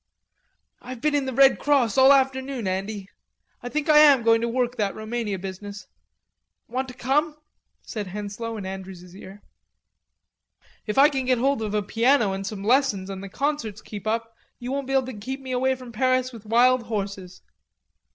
"I've been in the Red Cross all afternoon, Andy.... I think I am going to work that Roumania business.... Want to come?" said Henslowe in Andrews' ear. "If I can get hold of a piano and some lessons and the concerts keep up you won't be able to get me away from Paris with wild horses.